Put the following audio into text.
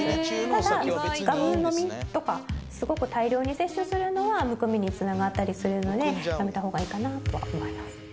ただがぶ飲みとかすごく大量に摂取するのはむくみに繋がったりするのでやめた方がいいかなとは思います。